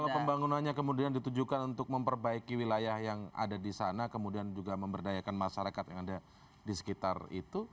kalau pembangunannya kemudian ditujukan untuk memperbaiki wilayah yang ada disana kemudian juga memberdayakan masyarakat yang ada disekitar itu